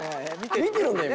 見てるんだよ